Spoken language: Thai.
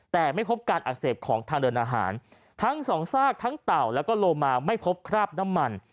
แต่ไม่พบการอักเสบของทางเดินอาหารทั้งสองซากทั้งเต่าแล้วก็โลมาไม่พบคราบน้ำมัน